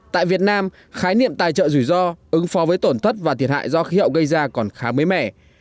tại việt nam khái niệm tài trợ rủi ro ứng phó với tổn thất và thiệt hại do khí hậu gây ra còn khá mới mẻ